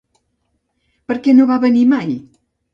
Per què no va venir mai?